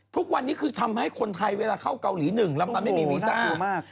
ทุกวันนี้คือทำให้คนไทยเวลาเข้าเกาหลีหนึ่งแล้วมันไม่มีวีซ่าโอ้โหน่ากลัวมาก